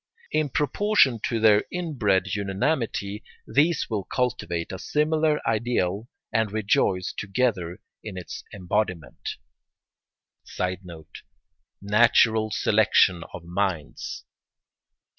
In proportion to their inbred unanimity these will cultivate a similar ideal and rejoice together in its embodiment. [Sidenote: Natural selection of minds.